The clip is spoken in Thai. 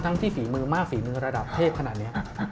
ที่ฝีมือมากฝีมือระดับเทพขนาดนี้